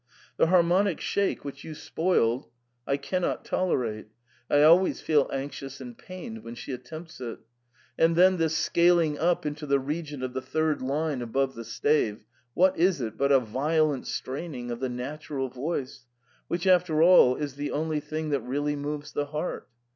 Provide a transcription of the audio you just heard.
The * harmonic shake * which you THE PERM AT A. 49 spoilt I cannot tolerate ; I always feel anxious and pained when she attempts it And then this scaling up into the region of the third line above the stave, what is it but a violent straining of the natural voice, which after all is the only thing that really moves the lieart